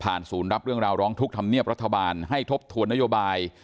ศูนย์รับเรื่องราวร้องทุกข์ธรรมเนียบรัฐบาลให้ทบทวนนโยบาย